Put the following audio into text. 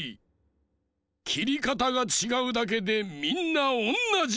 きりかたがちがうだけでみんなおんなじじゃ！